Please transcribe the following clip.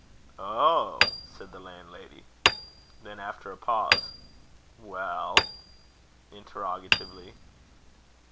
"O oh!" said the landlady. Then, after a pause "Well?" interrogatively.